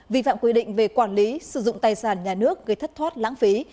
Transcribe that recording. vi phạm quy định về quản lý sử dụng tài sản nhà nước gây thất thoát lãng phí